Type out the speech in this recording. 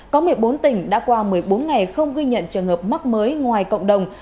có một mươi bốn tỉnh đã qua một mươi bốn ngày không ghi nhận trường hợp mắc mới ngoài cộng đồng